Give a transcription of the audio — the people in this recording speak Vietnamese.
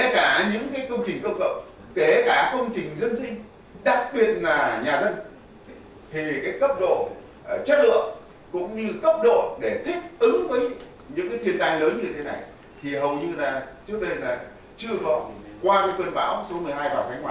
cũng như cấp độ để thiết ứng với những thiên tai lớn như thế này thì hầu như là trước đây là chưa có qua cơn bão số một mươi hai vào cánh quả